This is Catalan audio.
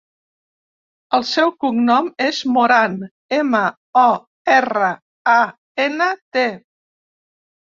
El seu cognom és Morant: ema, o, erra, a, ena, te.